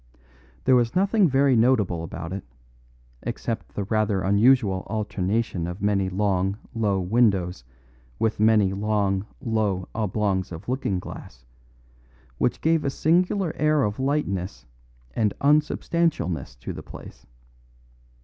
There was nothing very notable about it, except the rather unusual alternation of many long, low windows with many long, low oblongs of looking glass, which gave a singular air of lightness and unsubstantialness to the place.